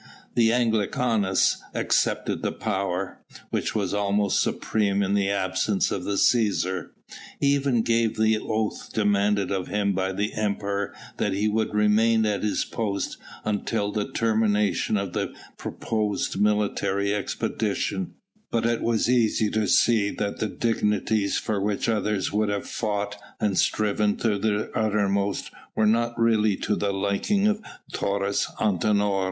The Anglicanus accepted the power which was almost supreme in the absence of the Cæsar. He even gave the oath demanded of him by the Emperor that he would remain at his post until the termination of the proposed military expedition, but it was easy to see that the dignities for which others would have fought and striven to their uttermost were not really to the liking of Taurus Antinor.